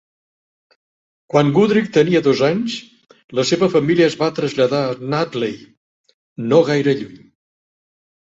Quan Goodrich tenia dos anys, la seva família es va traslladar a Nutley, no gaire lluny.